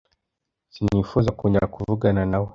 sinifuza kongera kuvugana nawe.